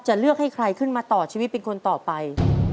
เลือกให้ใครขึ้นมาต่อชีวิตเป็นคนต่อไป